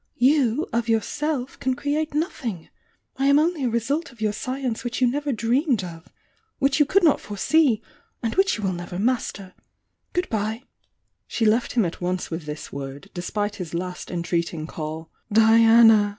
You, of yourself, can create nothing. I am only a result of your science which you never dreamed of!— which you could not foresee!— and which you will never master! Good bye!" She left him at once with this word, despite his last entreating call, "Diana!"